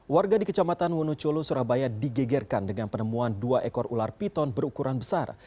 warga di kecamatan wonocolo surabaya digegerkan dengan penemuan dua ekor ular piton berukuran besar